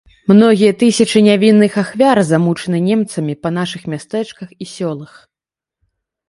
Многія тысячы нявінных ахвяр замучаны немцамі па нашых мястэчках і сёлах.